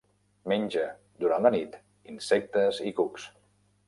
Menja, durant la nit, insectes i cucs.